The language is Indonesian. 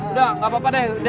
udah gak apa apa deh